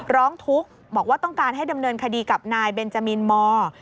ร้องทุกข์บอกว่าต้องการให้ดำเนินคดีกับนายเบนจามินมอร์